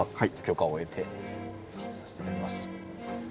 許可を得て外させて頂きます。